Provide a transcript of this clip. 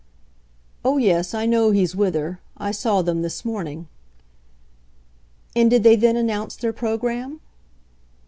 "Oh yes, I know he's with her. I saw them this morning." "And did they then announce their programme?"